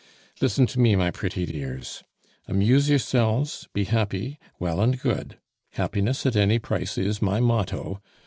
"Listen to me, my pretty dears. Amuse yourselves, be happy well and good! Happiness at any price is my motto.